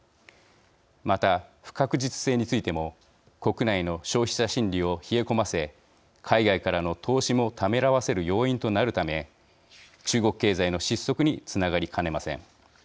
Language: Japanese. また、不確実性についても国内の消費者心理を冷え込ませ海外からの投資もためらわせる要因となるため中国経済の失速につながりかねません。